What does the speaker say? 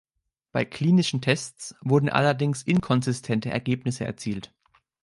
Bei klinischen Tests wurden allerdings inkonsistente Ergebnisse erzielt.